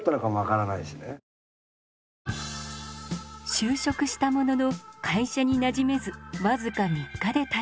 就職したものの会社になじめず僅か３日で退社。